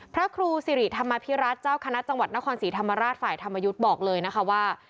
พระครูสิริธรรมภิรัตน์เจ้าคณะจังหวัดนครศรีธรรมราชฝ่ายธรรมยุทธ์บอกเลยนะคะว่า